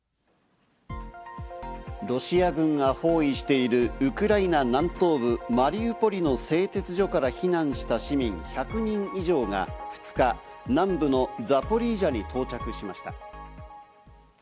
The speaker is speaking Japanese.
ロシア軍が包囲しているウクライナ南東部マリウポリの製鉄所から避難した市民１００人以上が２日、南部のザポリージャに到着しました。